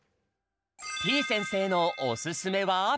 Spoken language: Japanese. てぃ先生のおすすめは？